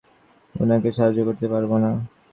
উনাকে সাহায্য করতে পারব না।